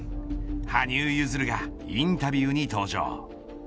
羽生結弦がインタビューに登場。